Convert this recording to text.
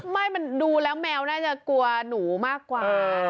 ไม่มันดูแล้วแมวน่าจะกลัวหนูมากกว่า